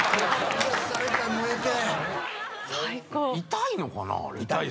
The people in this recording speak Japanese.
痛いのかな？